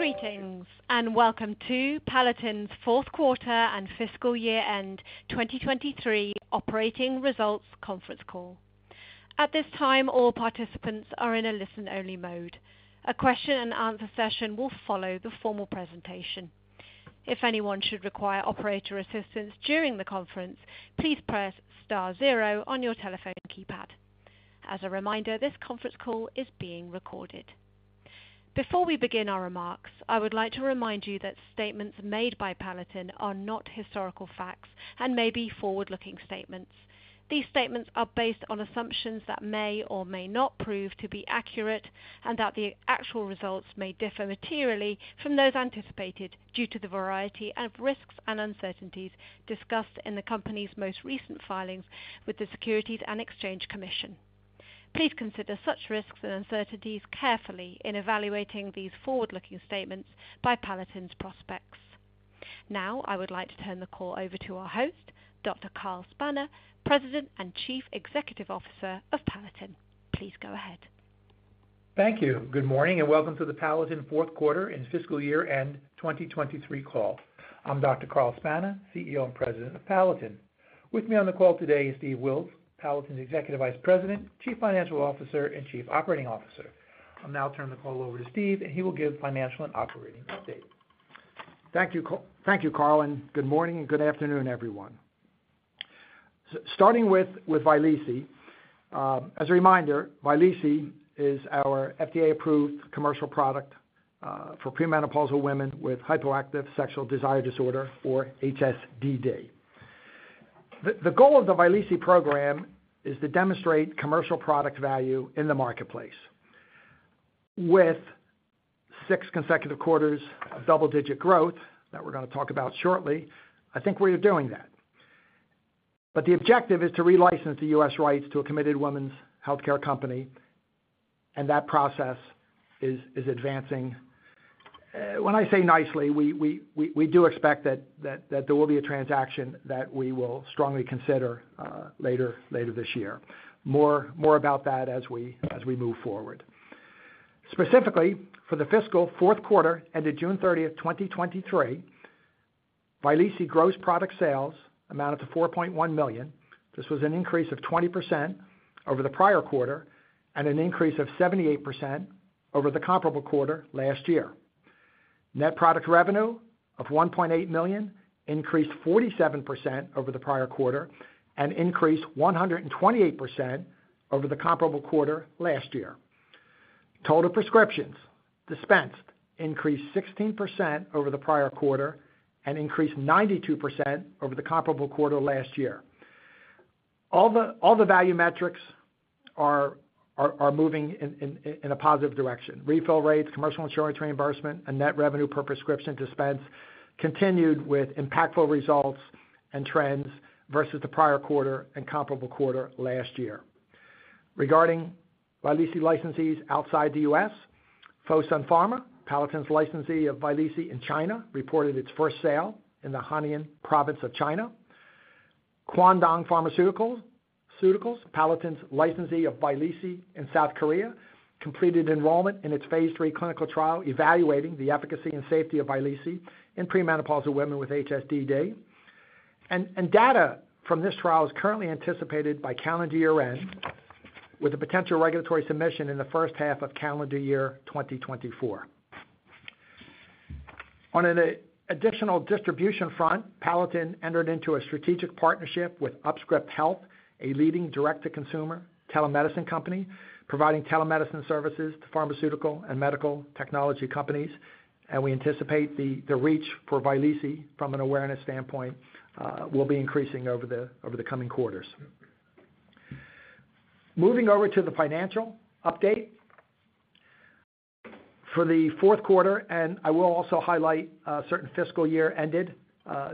Greetings, and welcome to Palatin's Q4 and fiscal year-end 2023 operating results Conference Call. At this time, all participants are in a listen-only mode. A question and answer session will follow the formal presentation. If anyone should require operator assistance during the conference, please press star zero on your telephone keypad. As a reminder, this conference call is being recorded. Before we begin our remarks, I would like to remind you that statements made by Palatin are not historical facts and may be forward-looking statements. These statements are based on assumptions that may or may not prove to be accurate, and that the actual results may differ materially from those anticipated due to the variety of risks and uncertainties discussed in the company's most recent filings with the Securities and Exchange Commission. Please consider such risks and uncertainties carefully in evaluating these forward-looking statements by Palatin's prospects. Now, I would like to turn the call over to our host, Dr. Carl Spana, President and Chief Executive Officer of Palatin. Please go ahead. Thank you. Good morning, and welcome to the Palatin Q4 and fiscal year-end 2023 call. I'm Dr. Carl Spana, CEO and President of Palatin. With me on the call today is Steve Wills, Palatin's Executive Vice President, Chief Financial Officer, and Chief Operating Officer. I'll now turn the call over to Steve, and he will give financial and operating update. Thank you, Carl. Thank you, Carl, and good morning and good afternoon, everyone. Starting with Vyleesi. As a reminder, Vyleesi is our FDA-approved commercial product for premenopausal women with hypoactive sexual desire disorder, or HSDD. The goal of the Vyleesi program is to demonstrate commercial product value in the marketplace. With six consecutive quarters of double-digit growth, that we're gonna talk about shortly, I think we are doing that. But the objective is to relicense the US rights to a committed women's healthcare company, and that process is advancing. When I say nicely, we do expect that there will be a transaction that we will strongly consider, later this year. More about that as we move forward. Specifically, for the fiscal Q4, ended June 30th, 2023, Vyleesi gross product sales amounted to $4.1 million. This was an increase of 20% over the prior quarter and an increase of 78% over the comparable quarter last year. Net product revenue of $1.8 million increased 47% over the prior quarter and increased 128% over the comparable quarter last year. Total prescriptions dispensed increased 16% over the prior quarter and increased 92% over the comparable quarter last year. All the value metrics are moving in a positive direction. Refill rates, commercial insurance reimbursement, and net revenue per prescription dispense continued with impactful results and trends versus the prior quarter and comparable quarter last year. Regarding Vyleesi licensees outside the U.S., Fosun Pharma, Palatin's licensee of Vyleesi in China, reported its first sale in the Hainan Province of China. Kwangdong Pharmaceutical, Palatin's licensee of Vyleesi in South Korea, completed enrollment in its phase III clinical trial, evaluating the efficacy and safety of Vyleesi in premenopausal women with HSDD. Data from this trial is currently anticipated by calendar year end, with a potential regulatory submission in the H1 of calendar year 2024. On an additional distribution front, Palatin entered into a strategic partnership with UpScript Health, a leading direct-to-consumer telemedicine company, providing telemedicine services to pharmaceutical and medical technology companies. We anticipate the reach for Vyleesi from an awareness standpoint will be increasing over the coming quarters. Moving over to the financial update. For the Q4, and I will also highlight certain fiscal year ended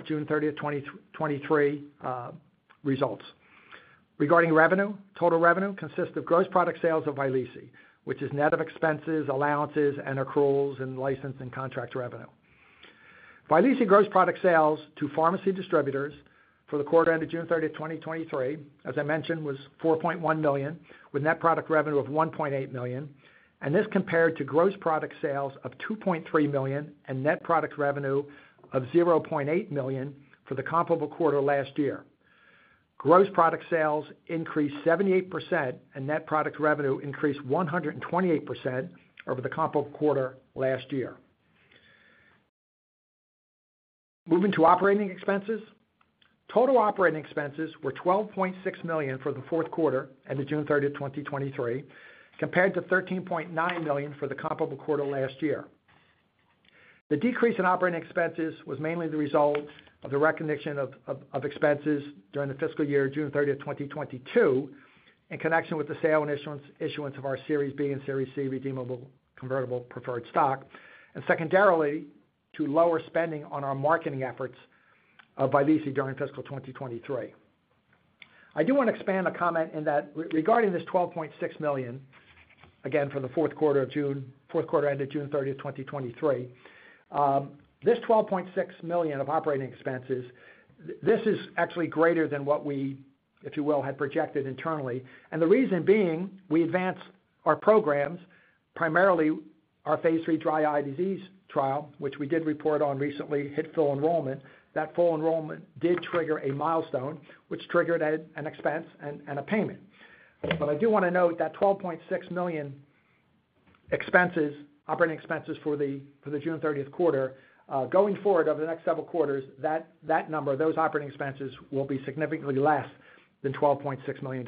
June 30th, 2023 results. Regarding revenue, total revenue consists of gross product sales of Vyleesi, which is net of expenses, allowances, and accruals, and license and contract revenue. Vyleesi gross product sales to pharmacy distributors for the quarter ended June 30th, 2023, as I mentioned, was $4.1 million, with net product revenue of $1.8 million, and this compared to gross product sales of $2.3 million and net product revenue of $0.8 million for the comparable quarter last year. Gross product sales increased 78%, and net product revenue increased 128% over the comparable quarter last year. Moving to operating expenses. Total operating expenses were $12.6 million for the Q4, ended June 30th, 2023, compared to $13.9 million for the comparable quarter last year. The decrease in operating expenses was mainly the result of the recognition of expenses during the fiscal year, June 30th, 2022, in connection with the sale and issuance of our Series B and Series C redeemable convertible preferred stock, and secondarily, to lower spending on our marketing efforts of Vyleesi during fiscal 2023. I do want to expand a comment in that regarding this $12.6 million, again, for the Q4 of June, Q4 ended June 30th, 2023, this $12.6 million of operating expenses, this is actually greater than what we, if you will, had projected internally and the reason being, we advanced our programs, primarily our phase III dry eye disease trial, which we did report on recently, hit full enrollment. That full enrollment did trigger a milestone, which triggered an expense and a payment. But I do want to note that $12.6 million expenses, operating expenses for the June 30th quarter, going forward over the next several quarters, that number, those operating expenses will be significantly less than $12.6 million.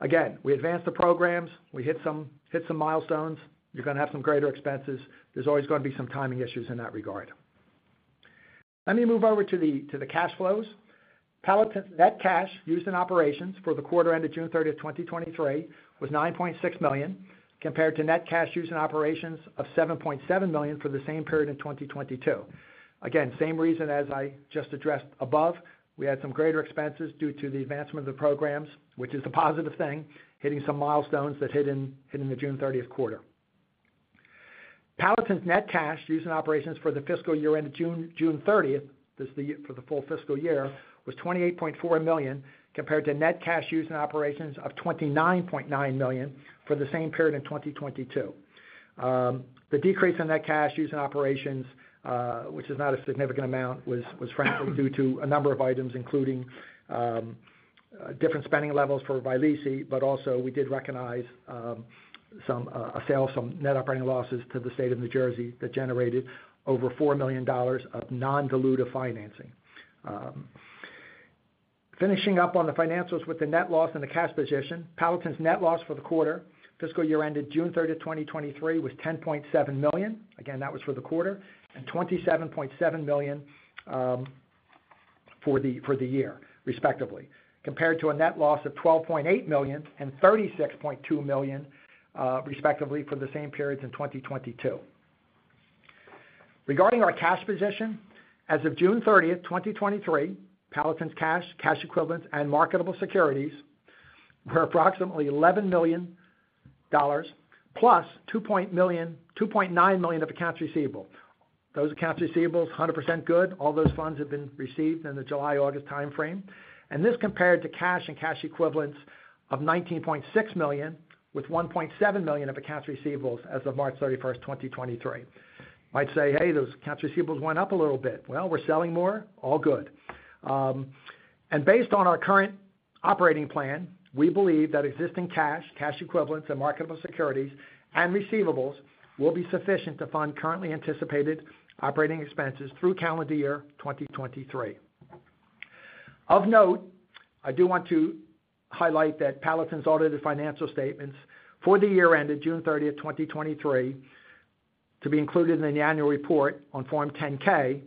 Again, we advanced the programs, we hit some milestones. You're going to have some greater expenses. There's always gonna be some timing issues in that regard. Let me move over to the cash flows. Palatin's net cash used in operations for the quarter end of June 30th, 2023, was $9.6 million, compared to net cash used in operations of $7.7 million for the same period in 2022. Again, same reason as I just addressed above. We had some greater expenses due to the advancement of the programs, which is a positive thing, hitting some milestones that hit in the June thirtieth quarter. Palatin's net cash used in operations for the fiscal year end of June, June 30th, this is the year for the full fiscal year, was $28.4 million, compared to net cash used in operations of $29.9 million for the same period in 2022. The decrease in net cash used in operations, which is not a significant amount, was frankly due to a number of items, including different spending levels for Vyleesi, but also we did recognize some a sale some net operating losses to the state of New Jersey that generated over $4 million of non-dilutive financing. Finishing up on the financials with the net loss and the cash position. Palatin's net loss for the quarter, fiscal year ended June 30th, 2023, was $10.7 million. Again, that was for the quarter, and $27.7 million for the year, respectively, compared to a net loss of $12.8 million and $36.2 million, respectively, for the same periods in 2022. Regarding our cash position, as of June 30th, 2023, Palatin's cash, cash equivalents, and marketable securities were approximately $11 million, plus $2.9 million of accounts receivable. Those accounts receivable, 100% good. All those funds have been received in the July, August timeframe. This compared to cash and cash equivalents of $19.6 million, with $1.7 million of accounts receivables as of March 31st, 2023. Might say, "Hey, those accounts receivables went up a little bit." Well, we're selling more. All good. Based on our current operating plan, we believe that existing cash, cash equivalents, and marketable securities and receivables will be sufficient to fund currently anticipated operating expenses through calendar year 2023. Of note, I do want to highlight that Palatin's audited financial statements for the year ended June 30th, 2023, to be included in the annual report on Form 10-K,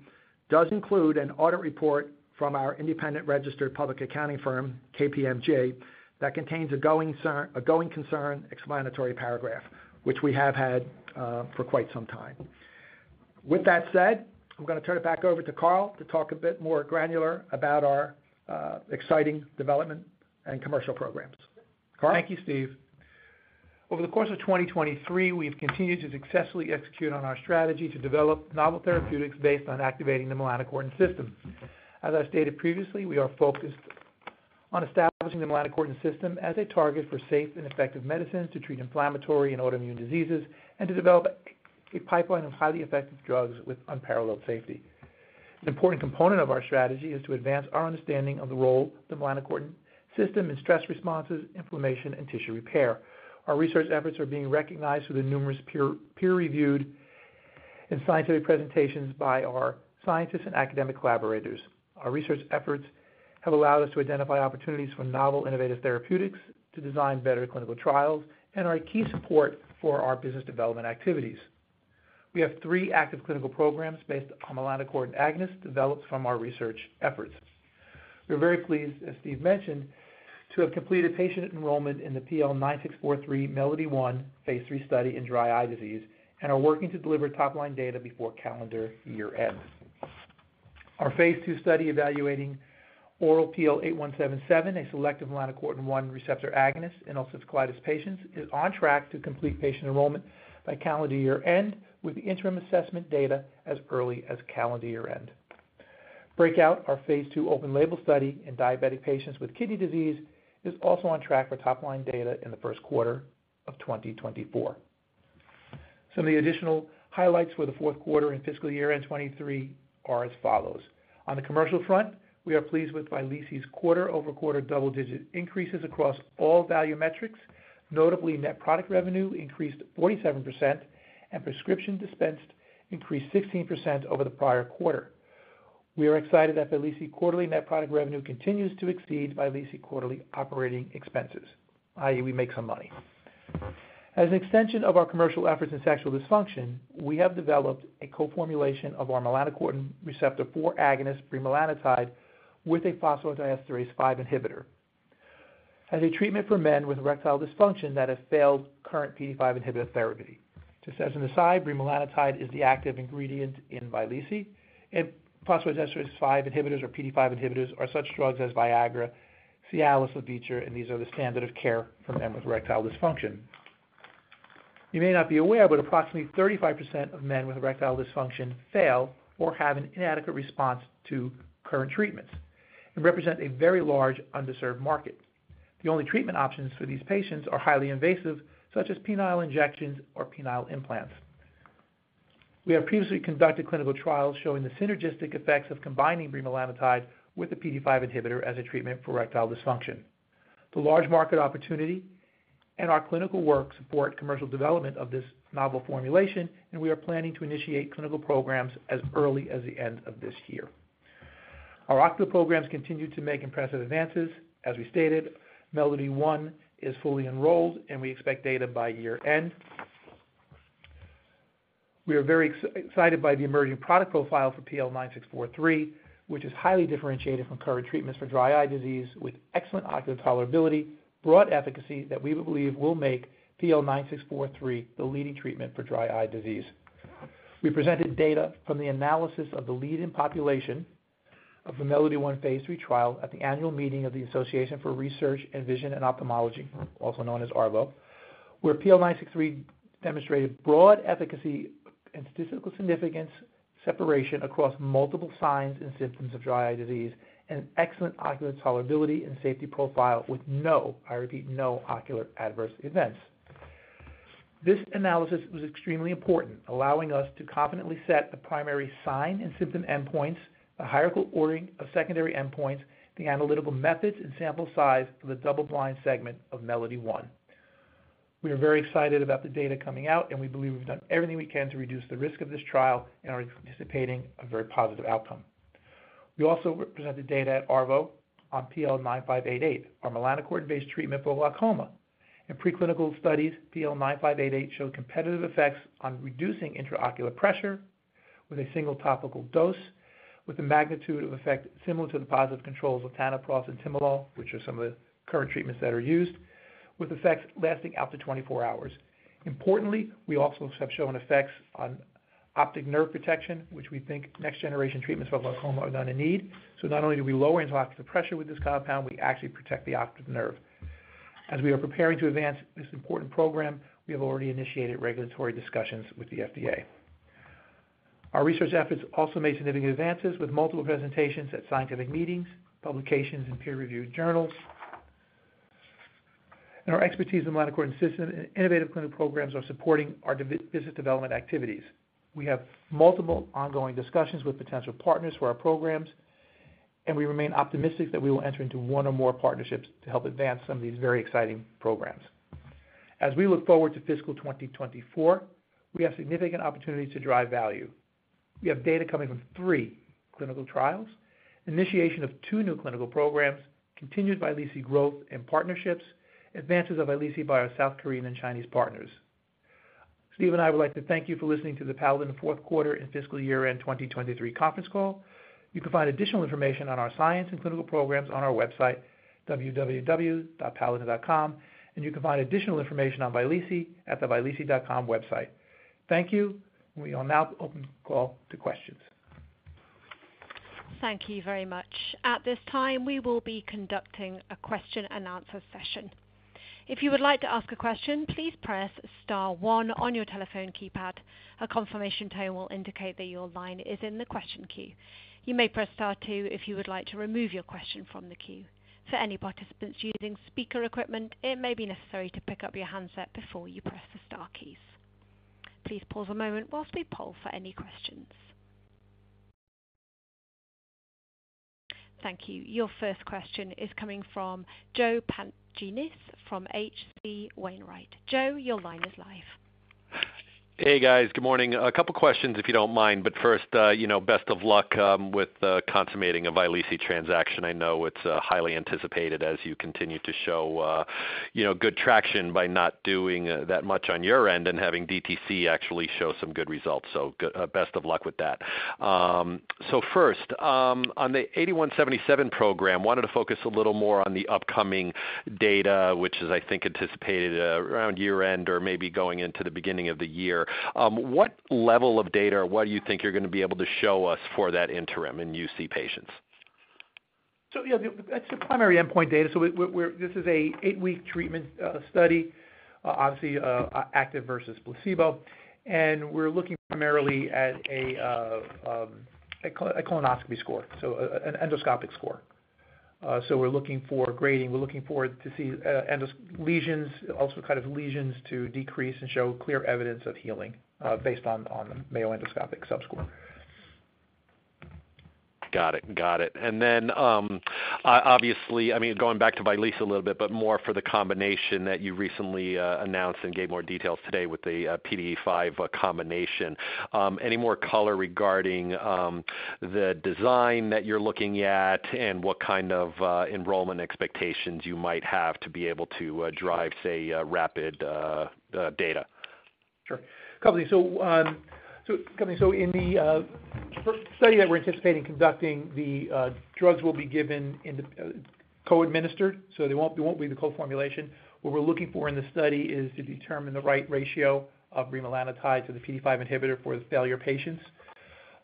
does include an audit report from our independent registered public accounting firm, KPMG, that contains a going concern explanatory paragraph, which we have had for quite some time. With that said, I'm going to turn it back over to Carl to talk a bit more granular about our exciting development and commercial programs. Carl? Thank you, Steve. Over the course of 2023, we've continued to successfully execute on our strategy to develop novel therapeutics based on activating the melanocortin system. As I stated previously, we are focused on establishing the melanocortin system as a target for safe and effective medicines to treat inflammatory and autoimmune diseases, and to develop a pipeline of highly effective drugs with unparalleled safety. An important component of our strategy is to advance our understanding of the role of the melanocortin system in stress responses, inflammation, and tissue repair. Our research efforts are being recognized through the numerous peer-reviewed and scientific presentations by our scientists and academic collaborators. Our research efforts have allowed us to identify opportunities for novel, innovative therapeutics, to design better clinical trials, and are a key support for our business development activities. We have three active clinical programs based on melanocortin agonists, developed from our research efforts. We're very pleased, as Steve mentioned, to have completed patient enrollment in the PL-9643, MELODY-1, phase III study in dry eye disease, and are working to deliver top-line data before calendar year end. Our phase II study evaluating oral PL-8177, a selective melanocortin-one receptor agonist in ulcerative colitis patients, is on track to complete patient enrollment by calendar year end, with the interim assessment data as early as calendar year end. BREAKOUT, our phase II open label study in diabetic patients with kidney disease, is also on track for top-line data in the Q1 of 2024. Some of the additional highlights for the Q4 and fiscal year in 2023 are as follows: On the commercial front, we are pleased with Vyleesi's quarter-over-quarter double-digit increases across all value metrics. Notably, net product revenue increased 47%, and prescription dispensed increased 16% over the prior quarter. We are excited that Vyleesi quarterly net product revenue continues to exceed Vyleesi quarterly operating expenses, i.e., we make some money. As an extension of our commercial efforts in sexual dysfunction, we have developed a co-formulation of our melanocortin receptor 4 agonist, bremelanotide, with a phosphodiesterase 5 inhibitor. As a treatment for men with erectile dysfunction that have failed current PDE5 inhibitor therapy. Just as an aside, bremelanotide is the active ingredient in Vyleesi, and phosphodiesterase five inhibitors, or PDE5 inhibitors, are such drugs as Viagra, Cialis, or Levitra, and these are the standard of care for men with erectile dysfunction. You may not be aware, but approximately 35% of men with erectile dysfunction fail or have an inadequate response to current treatments and represent a very large underserved market. The only treatment options for these patients are highly invasive, such as penile injections or penile implants. We have previously conducted clinical trials showing the synergistic effects of combining bremelanotide with a PDE5 inhibitor as a treatment for erectile dysfunction. The large market opportunity and our clinical work support commercial development of this novel formulation, and we are planning to initiate clinical programs as early as the end of this year. Our ocular programs continue to make impressive advances. As we stated, MELODY-1 is fully enrolled, and we expect data by year-end. We are very excited by the emerging product profile for PL-9643, which is highly differentiated from current treatments for dry eye disease, with excellent ocular tolerability, broad efficacy that we believe will make PL-9643 the leading treatment for dry eye disease. We presented data from the analysis of the lead-in population of the MELODY-1 phase III trial at the annual meeting of the Association for Research in Vision and Ophthalmology, also known as ARVO, where PL-9643 demonstrated broad efficacy and statistical significance, separation across multiple signs and symptoms of dry eye disease, and excellent ocular tolerability and safety profile with no, I repeat, no ocular adverse events. This analysis was extremely important, allowing us to confidently set the primary sign and symptom endpoints, the hierarchical ordering of secondary endpoints, the analytical methods and sample size for the double-blind segment of MELODY-1. We are very excited about the data coming out, and we believe we've done everything we can to reduce the risk of this trial and are anticipating a very positive outcome. We also presented data at ARVO on PL-9588, our melanocortin-based treatment for glaucoma. In preclinical studies, PL-9588 showed competitive effects on reducing intraocular pressure with a single topical dose, with a magnitude of effect similar to the positive controls of latanoprost and timolol, which are some of the current treatments that are used, with effects lasting up to 24 hours. Importantly, we also have shown effects on optic nerve protection, which we think next-generation treatments for glaucoma are going to need so not only do we lower intraocular pressure with this compound, we actually protect the optic nerve. As we are preparing to advance this important program, we have already initiated regulatory discussions with the FDA. Our research efforts also made significant advances, with multiple presentations at scientific meetings, publications, and peer-reviewed journals. Our expertise in melanocortin system and innovative clinical programs are supporting our business development activities. We have multiple ongoing discussions with potential partners for our programs, and we remain optimistic that we will enter into one or more partnerships to help advance some of these very exciting programs. As we look forward to fiscal 2024, we have significant opportunities to drive value. We have data coming from three clinical trials, initiation of two new clinical programs, continued Vyleesi growth and partnerships, advances of Vyleesi by our South Korean and Chinese partners. Steve and I would like to thank you for listening to the Palatin Q4 and fiscal year-end 2023 conference call. You can find additional information on our science and clinical programs on our website, www.palatin.com, and you can find additional information on Vyleesi at the vyleesi.com website. Thank you. We will now open the call to questions. Thank you very much. At this time, we will be conducting a question and answer session. If you would like to ask a question, please press star one on your telephone keypad. A confirmation tone will indicate that your line is in the question queue. You may press star two if you would like to remove your question from the queue. For any participants using speaker equipment, it may be necessary to pick up your handset before you press the star keys. Please pause a moment while we poll for any questions. Thank you. Your first question is coming from Joe Pantginis from H.C. Wainwright. Joe, your line is live. Hey, guys. Good morning. A couple questions, if you don't mind, but first, you know, best of luck with the consummating of Vyleesi transaction. I know it's highly anticipated as you continue to show, you know, good traction by not doing that much on your end and having DTC actually show some good results so best of luck with that. First, on the PL-8177 program, wanted to focus a little more on the upcoming data, which is, I think, anticipated around year-end or maybe going into the beginning of the year. What level of data, or what do you think you're going to be able to show us for that interim in UC patients? Yeah, that's the primary endpoint data. So this is an eight-week treatment study, obviously, active versus placebo, and we're looking primarily at a colonoscopy score, so an endoscopic score so we're looking for grading, we're looking forward to see endoscopic lesions, also kind of lesions to decrease and show clear evidence of healing, based on the Mayo Endoscopic Sub Score. Got it. Got it. Then, obviously, I mean, going back to Vyleesi a little bit, but more for the combination that you recently announced and gave more details today with the PDE5 combination. Any more color regarding the design that you're looking at and what kind of enrollment expectations you might have to be able to drive, say, data? Sure. Couple things. In the first study that we're anticipating conducting, the drugs will be given co-administered, so it won't be the co-formulation. What we're looking for in this study is to determine the right ratio of bremelanotide to the PDE5 inhibitor for the failure patients.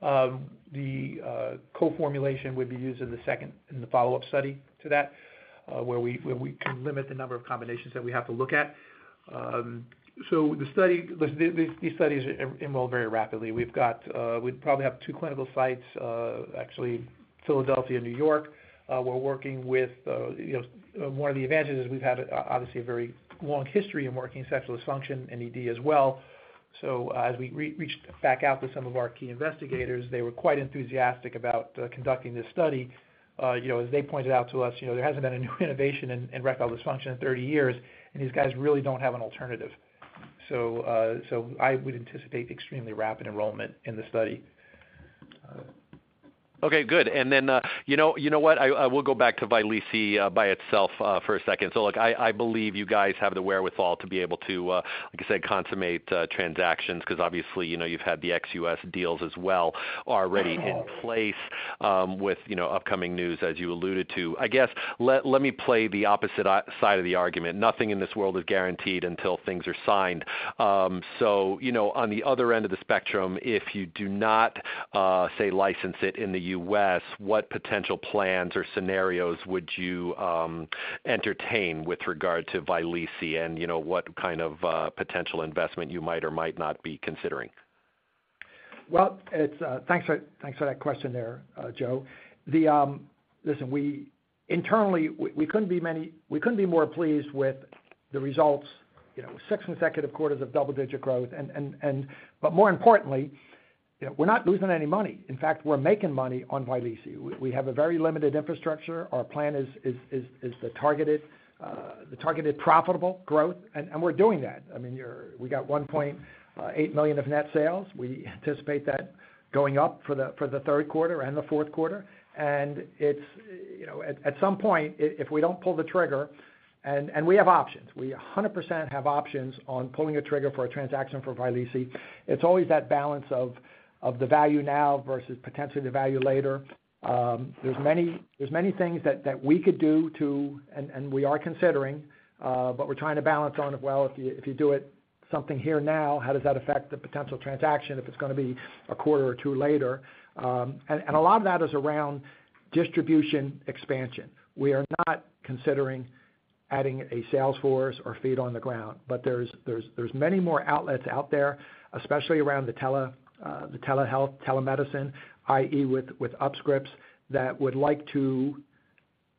The co-formulation would be used in the second, in the follow-up study to that, where we can limit the number of combinations that we have to look at. These studies enroll very rapidly. We probably have two clinical sites, actually, Philadelphia and New York. We're working with, you know, one of the advantages is we've had, obviously, a very long history of working in sexual dysfunction and ED as well. As we reached back out to some of our key investigators, they were quite enthusiastic about conducting this study. You know, as they pointed out to us, you know, there hasn't been a new innovation in erectile dysfunction in 30 years, and these guys really don't have an alternative so, I would anticipate extremely rapid enrollment in the study. Okay, good. Then, you know what? I will go back to Vyleesi by itself for a second. Look, I believe you guys have the wherewithal to be able to, like I said, consummate transactions, because obviously, you know, you've had the ex-U.S. deals as well already in place, with, you know, upcoming news, as you alluded to. I guess, let me play the opposite side of the argument. Nothing in this world is guaranteed until things are signed. So, you know, on the other end of the spectrum, if you do not, say, license it in the U.S., what potential plans or scenarios would you entertain with regard to Vyleesi, and, you know, what kind of potential investment you might or might not be considering? Well, it's. Thanks for, thanks for that question there, Joe. The, listen, we internally, we couldn't be more pleased with the results. You know, six consecutive quarters of double-digit growth and, but more importantly, you know, we're not losing any money. In fact, we're making money on Vyleesi. We have a very limited infrastructure. Our plan is the targeted profitable growth, and we're doing that. I mean, we got $1.8 million of net sales. We anticipate that going up for the Q3 and the Q4 and it's, you know, at some point, if we don't pull the trigger, and we have options. We 100% have options on pulling a trigger for a transaction for Vyleesi. It's always that balance of the value now versus potentially the value later. There's many things that we could do to, and we are considering, but we're trying to balance on, well, if you do something here now, how does that affect the potential transaction, if it's gonna be a quarter or two later and a lot of that is around distribution expansion. We are not considering adding a sales force or feet on the ground, but there's many more outlets out there, especially around the telehealth, telemedicine, i.e., with UpScript, that would like to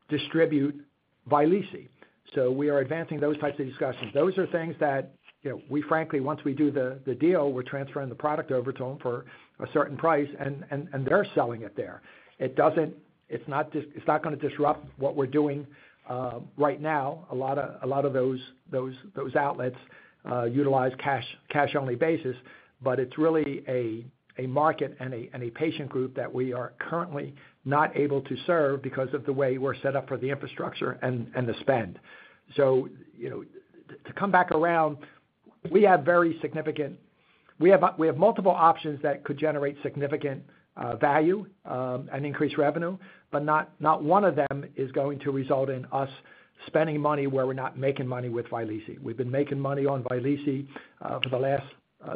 distribute Vyleesi so we are advancing those types of discussions. Those are things that, you know, we frankly, once we do the deal, we're transferring the product over to them for a certain price, and they're selling it there. It doesn't. It's not gonna disrupt what we're doing right now. A lot of those outlets utilize cash-only basis, but it's really a market and a patient group that we are currently not able to serve because of the way we're set up for the infrastructure and the spend. So, you know, to come back around, we have very significant. We have multiple options that could generate significant value and increase revenue, but not one of them is going to result in us spending money where we're not making money with Vyleesi. We've been making money on Vyleesi for the last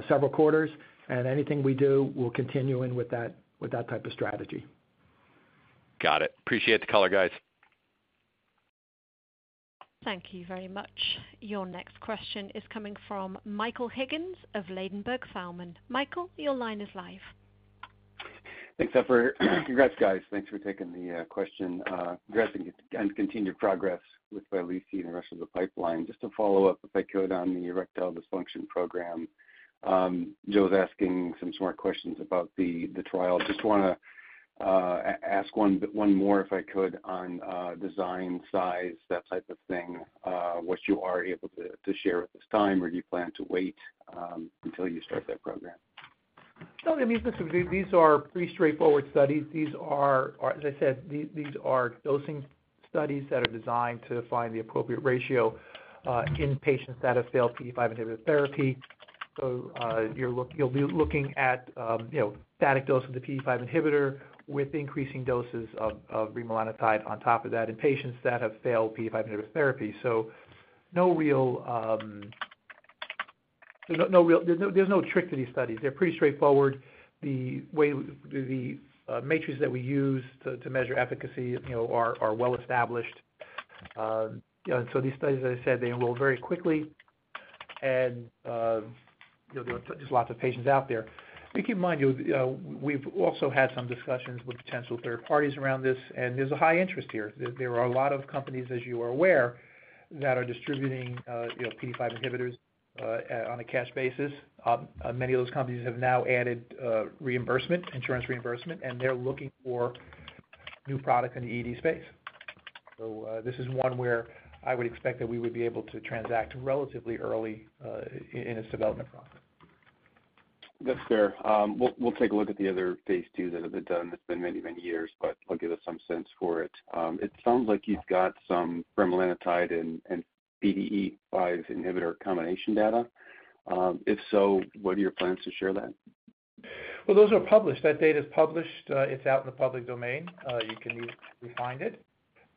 several quarters, and anything we do, we'll continue in with that, with that type of strategy. Got it. Appreciate the color, guys. Thank you very much. Your next question is coming from Michael Higgins of Ladenburg Thalmann. Michael, your line is live. Thanks, Operator. Congrats, guys. Thanks for taking the question. Congrats and continued progress with Vyleesi and the rest of the pipeline. Just to follow up, if I could, on the erectile dysfunction program. Joe was asking some smart questions about the trial. Just wanna ask one more, if I could, on design, size, that type of thing, what you are able to share at this time, or do you plan to wait until you start that program? No, I mean, listen, these are pretty straightforward studies. These are, as I said, these are dosing studies that are designed to find the appropriate ratio in patients that have failed PDE5 inhibitor therapy. So, you're looking at, you know, static dose of the PDE5 inhibitor with increasing doses of bremelanotide on top of that, in patients that have failed PDE5 inhibitor therapy so there's no real trick to these studies. They're pretty straightforward. The way the metrics that we use to measure efficacy, you know, are well established and so these studies, as I said, they enroll very quickly, and, you know, there's lots of patients out there. But keep in mind, you know, we've also had some discussions with potential third parties around this, and there's a high interest here. There are a lot of companies, as you are aware, that are distributing, you know, PDE5 inhibitors, on a cash basis. Many of those companies have now added, reimbursement, insurance reimbursement, and they're looking for new product in the ED space so, this is one where I would expect that we would be able to transact relatively early, in this development process. That's fair. We'll take a look at the other phase II that have been done. It's been many, many years, but it'll give us some sense for it. It sounds like you've got some bremelanotide and PDE5 inhibitor combination data. If so, what are your plans to share that? Well, those are published. That data is published. It's out in the public domain. You can find it.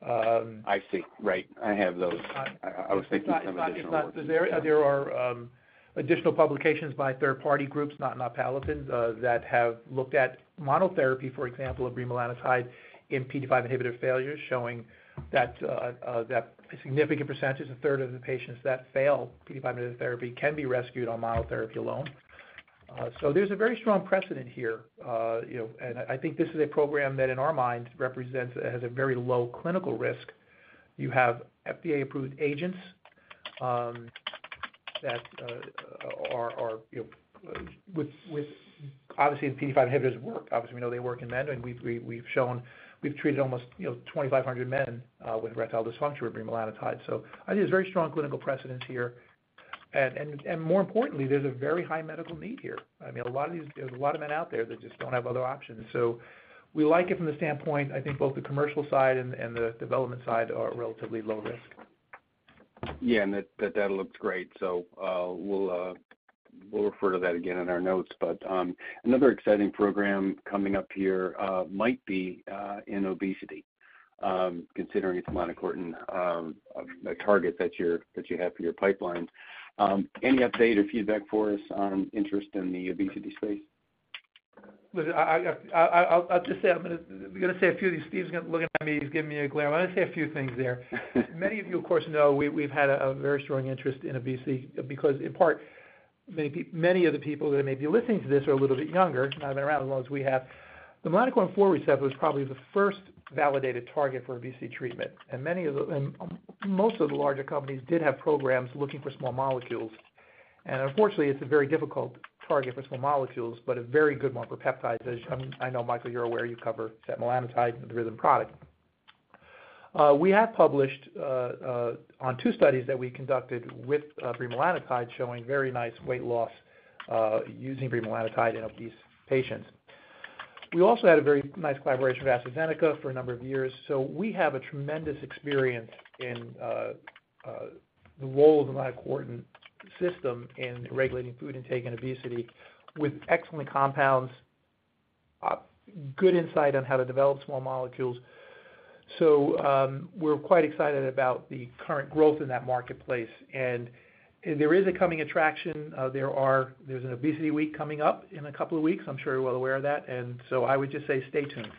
I see. Right. I have those. I, I was thinking some additional. If not, there are additional publications by third party groups, not Palatin, that have looked at monotherapy, for example, of bremelanotide in PDE5 inhibitor failure, showing that a significant percentage, a third of the patients that fail PDE5 inhibitor therapy can be rescued on monotherapy alone so there's a very strong precedent here. You know, and I think this is a program that in our minds represents has a very low clinical risk. You have FDA-approved agents that are, you know, with obviously, the PDE5 inhibitors work. Obviously, we know they work in men, and we've shown we've treated almost, you know, 2,500 men with erectile dysfunction with bremelanotide. I think there's very strong clinical precedence here and more importantly, there's a very high medical need here. I mean, a lot of these, there's a lot of men out there that just don't have other options so we like it from the standpoint, I think both the commercial side and, and the development side are relatively low risk. Yeah, and that, that data looks great. We'll refer to that again in our notes but, another exciting program coming up here, might be in obesity, considering it's melanocortin, a target that you're- that you have for your pipeline. Any update or feedback for us on interest in the obesity space? Look, I'll just say, I'm gonna say a few of these. Steve's looking at me, he's giving me a glare. I'm gonna say a few things there. Many of you, of course, know we've had a very strong interest in obesity because in part, many of the people that may be listening to this are a little bit younger, not been around as long as we have. The melanocortin-4 receptor was probably the first validated target for obesity treatment, and most of the larger companies did have programs looking for small molecules and unfortunately, it's a very difficult target for small molecules, but a very good one for peptides. As I know, Michael, you're aware, you cover setmelanotide, the Rhythm product. We have published on two studies that we conducted with bremelanotide, showing very nice weight loss using bremelanotide in obese patients. We also had a very nice collaboration with AstraZeneca for a number of years, so we have a tremendous experience in the role of the melanocortin system in regulating food intake and obesity with excellent compounds, good insight on how to develop small molecules. We're quite excited about the current growth in that marketplace and there is a coming attraction. There's an Obesity Week coming up in a couple of weeks. I'm sure you're well aware of that, and so I would just say stay tuned.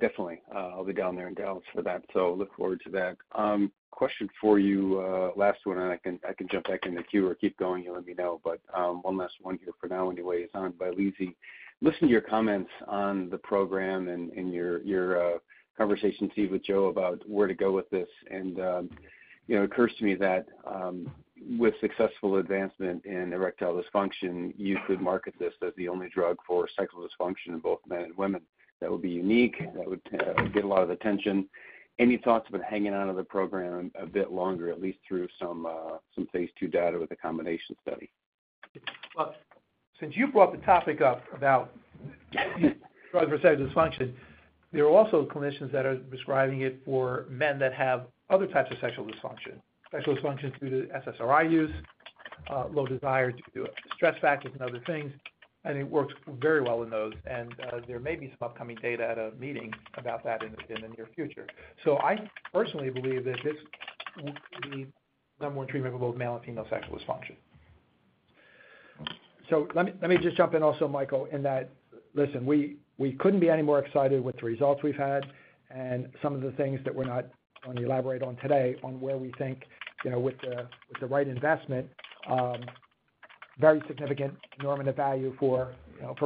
Definitely. I'll be down there in Dallas for that, so look forward to that. Question for you, last one, and I can jump back in the queue or keep going. You let me know. But, one last one here for now anyway, is on Vyleesi. Listening to your comments on the program and your conversation, Steve, with Joe about where to go with this and, you know, it occurs to me that, with successful advancement in erectile dysfunction, you could market this as the only drug for sexual dysfunction in both men and women. That would be unique, and that would get a lot of attention. Any thoughts about hanging out of the program a bit longer, at least through some phase II data with a combination study? Well, since you brought the topic up about sexual dysfunction, there are also clinicians that are prescribing it for men that have other types of sexual dysfunction. Sexual dysfunction due to SSRI use, low desire due to stress factors and other things, and it works very well in those and there may be some upcoming data at a meeting about that in the near future so I personally believe that this will be the number one treatment for both male and female sexual dysfunction. Let me just jump in also, Michael, in that, listen, we couldn't be any more excited with the results we've had and some of the things that we're not going to elaborate on today on where we think, you know, with the right investment, very significant normative value for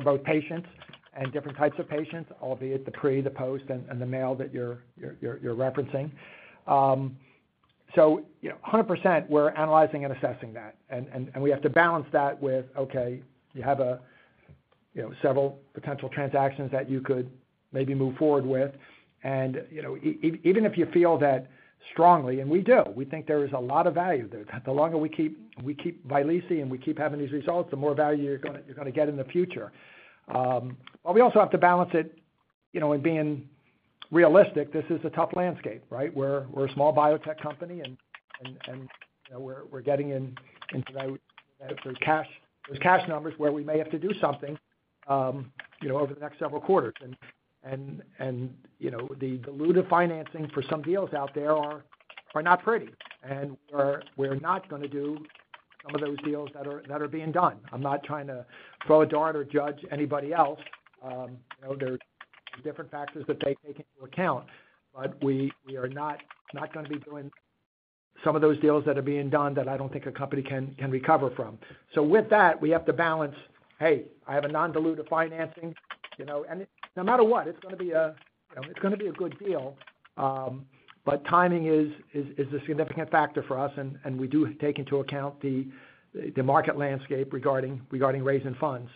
both patients and different types of patients, albeit the pre, the post, and the male that you're referencing. You know, 100% we're analyzing and assessing that, and we have to balance that with, okay, you have several potential transactions that you could maybe move forward with and, you know, even if you feel that strongly, and we do, we think there is a lot of value there. The longer we keep Vyleesi, and we keep having these results, the more value you're gonna get in the future but we also have to balance it, you know, in being realistic. This is a tough landscape, right? We're a small biotech company, and you know, we're getting into those cash numbers where we may have to do something, you know, over the next several quarters and you know, the dilutive financing for some deals out there are not pretty, and we're not gonna do some of those deals that are being done. I'm not trying to throw a dart or judge anybody else. You know, there are different factors that they take into account, but we are not gonna be doing some of those deals that are being done that I don't think a company can recover from. With that, we have to balance, "Hey, I have a non-dilutive financing," you know, and no matter what, it's gonna be a you know, it's gonna be a good deal. But timing is a significant factor for us, and we do take into account the market landscape regarding raising funds.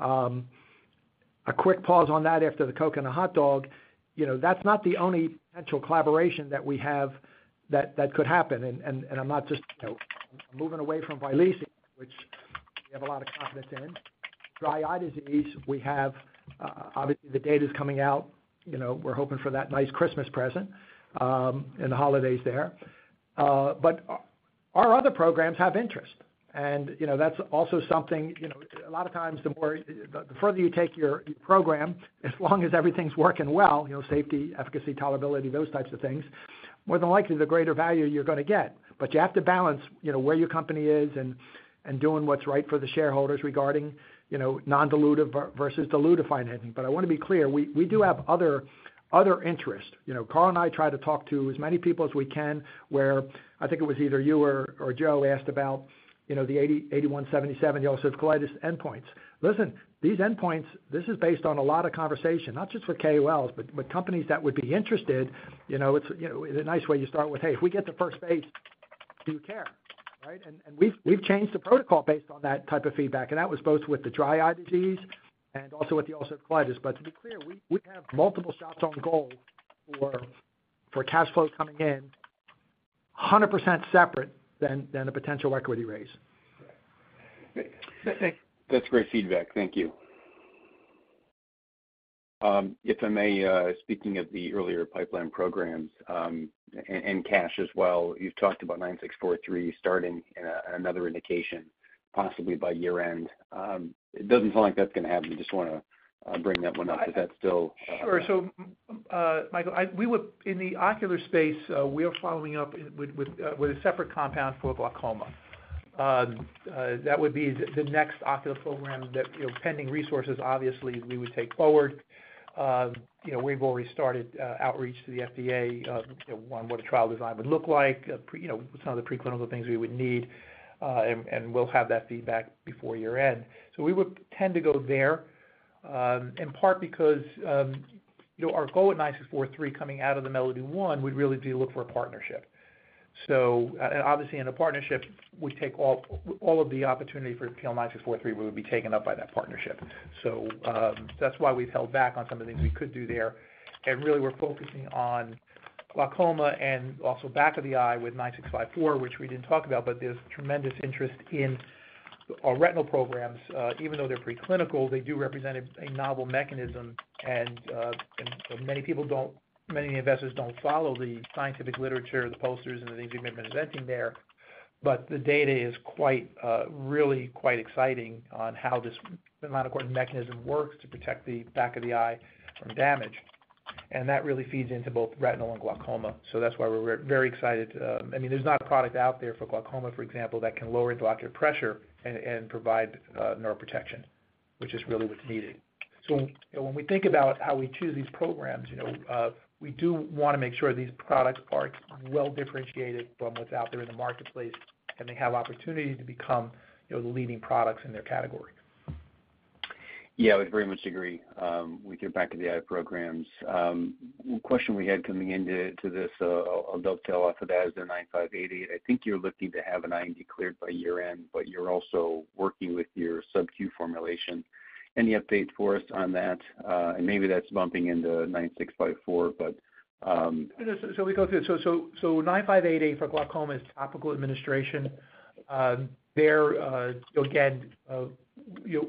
A quick pause on that after the coke and the hot dog. You know, that's not the only potential collaboration that we have that could happen and I'm not just, you know, moving away from Vyleesi, which we have a lot of confidence in. Dry eye disease, we have, obviously, the data is coming out. You know, we're hoping for that nice Christmas present, in the holidays there. But our other programs have interest, and, you know, that's also something, you know, a lot of times, the more, the further you take your program, as long as everything's working well, you know, safety, efficacy, tolerability, those types of things, more than likely, the greater value you're gonna get but you have to balance, you know, where your company is and, and doing what's right for the shareholders regarding, you know, non-dilutive versus dilutive financing. But I wanna be clear, we do have other interest. You know, Carl and I try to talk to as many people as we can, where I think it was either you or, or Joe asked about, you know, the PL-8177 ulcerative colitis endpoints. Listen, these endpoints, this is based on a lot of conversation, not just with KOLs, but with companies that would be interested. You know, it's, you know, a nice way you start with, "Hey, if we get the first phase, do you care?" Right? And, and we've, we've changed the protocol based on that type of feedback, and that was both with the dry eye disease and also with the ulcerative colitis but to be clear, we, we have multiple shots on goal for, for cash flow coming in, 100% separate than, than a potential equity raise. That's great feedback. Thank you. If I may, speaking of the earlier pipeline programs, and cash as well, you've talked about PL-9643 starting in another indication, possibly by year-end. It doesn't sound like that's gonna happen. Just wanna bring that one up. Is that still. Sure. Michael, we would. In the ocular space, we are following up with a separate compound for glaucoma. That would be the next ocular program that, you know, pending resources, obviously, we would take forward. You know, we've already started outreach to the FDA on what a trial design would look like, you know, some of the preclinical things we would need, and we'll have that feedback before year-end so we would tend to go there, in part because, you know, our goal with PL-9643 coming out of the MELODY-1 would really be to look for a partnership, and obviously in a partnership, we take all of the opportunity for PL-9643 would be taken up by that partnership. That's why we've held back on some of the things we could do there and really, we're focusing on glaucoma and also back of the eye with 9654, which we didn't talk about, but there's tremendous interest in our retinal programs. Even though they're preclinical, they do represent a novel mechanism, and many people don't, many investors don't follow the scientific literature, the posters, and the things we have been inventing there but the data is quite, really quite exciting on how this molecular mechanism works to protect the back of the eye from damage and that really feeds into both retinal and glaucoma, so that's why we're very excited. I mean, there's not a product out there for glaucoma, for example, that can lower glaucoma pressure and provide neuroprotection, which is really what's needed. When we think about how we choose these programs, you know, we do wanna make sure these products are well-differentiated from what's out there in the marketplace, and they have opportunity to become, you know, the leading products in their category. Yeah, I would very much agree with your back of the eye programs. One question we had coming into this, I'll dovetail off of that, is the PL-9588. I think you're looking to have an IND cleared by year-end, but you're also working with your subq formulation. Any update for us on that? Maybe that's bumping into PL-9654, but. So we go through it. So PL-9588 for glaucoma is topical administration. There, again, you know,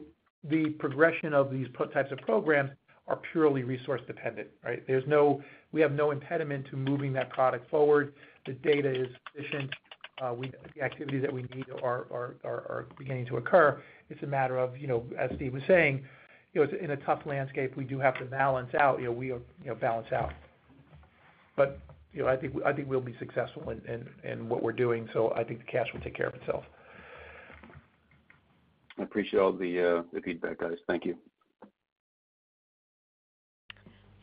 the progression of these prototypes of programs are purely resource dependent, right? There's no., we have no impediment to moving that product forward. The data is sufficient. We, the activities that we need are beginning to occur. It's a matter of, you know, as Steve was saying, you know, in a tough landscape, we do have to balance out, you know, we are, you know, balance out. But, you know, I think, I think we'll be successful in, in, in what we're doing, so I think the cash will take care of itself. I appreciate all the feedback, guys. Thank you.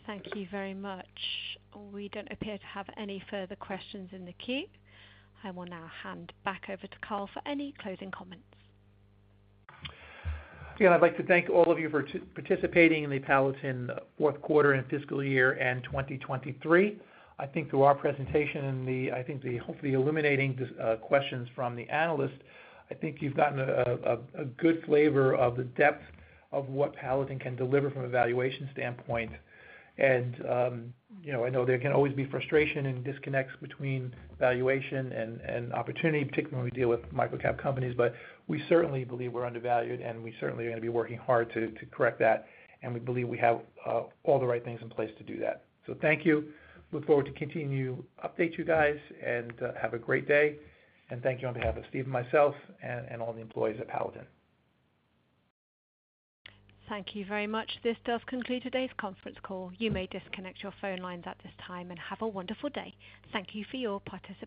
Thank you very much. We don't appear to have any further questions in the queue. I will now hand back over to Carl for any closing comments. Yeah, I'd like to thank all of you for participating in the Palatin Q4 and fiscal year end 2023. I think through our presentation and the, I think, the hopefully illuminating questions from the analysts, I think you've gotten a good flavor of the depth of what Palatin can deliver from a valuation standpoint and you know, I know there can always be frustration and disconnects between valuation and opportunity, particularly when we deal with microcap companies, but we certainly believe we're undervalued, and we certainly are gonna be working hard to correct that, and we believe we have all the right things in place to do that. So thank you. Look forward to continue update you guys, and have a great day and thank you on behalf of Steve and myself, and all the employees at Palatin. Thank you very much. This does conclude today's conference call. You may disconnect your phone lines at this time and have a wonderful day. Thank you for your participation.